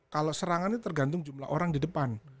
kalau serangan ini tergantung jumlah orang di depan